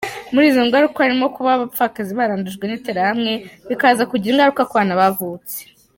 Muri izo ngaruka harimo kuba abapfakazi barandujwe n’ interahamwe bikaza kugira ingaruka kubana bavutse.